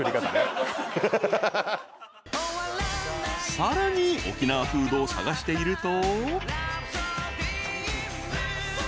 ［さらに沖縄フードを探していると］